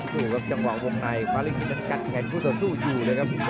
สู้กับจังหวังวงในฟาลิกินจะกัดแขนผู้สู้อยู่เลยครับ